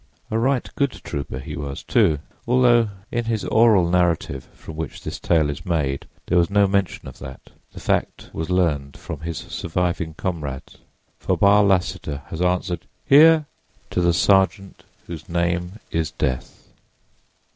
A right good trooper he was, too, although in his oral narrative from which this tale is made there was no mention of that; the fact was learned from his surviving comrades. For Barr Lassiter has answered "Here" to the sergeant whose name is Death.